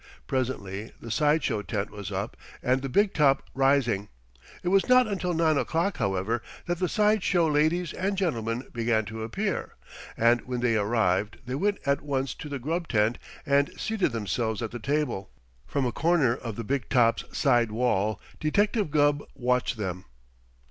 Presently the side show tent was up and the "big top" rising. It was not until nine o'clock, however, that the side show ladies and gentlemen began to appear, and when they arrived they went at once to the grub tent and seated themselves at the table. From a corner of the "big top's" side wall, Detective Gubb watched them.